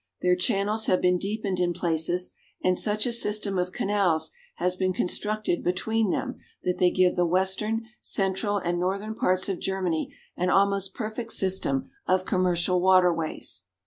Their chan nels have been deepened in places, and such a system of canals has been constructed between them that they give the western, central, and northern parts of Germany an almost perfect system of commercial water ways.